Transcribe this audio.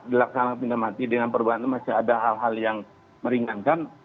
dilaksanakan tindak mati dengan perbuatan itu masih ada hal hal yang meringankan